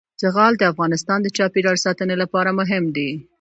زغال د افغانستان د چاپیریال ساتنې لپاره مهم دي.